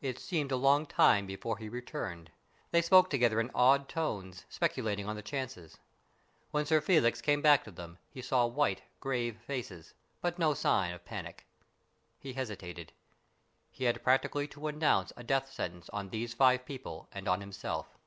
It seemed a long time before he returned. They spoke together in awed tones, speculating on the chances. When Sir Felix came back to them, he saw white, grave faces, but no sign of panic. He hesitated. He had practically to pronounce a death sentence on these five people and on himself.